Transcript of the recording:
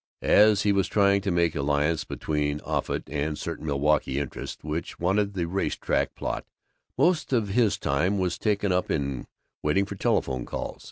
As he was trying to make alliance between Offutt and certain Milwaukee interests which wanted the race track plot, most of his time was taken up in waiting for telephone calls....